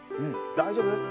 「大丈夫？」